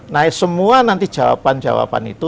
nah semua nanti jawaban jawaban itu